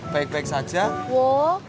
baik baik saja wo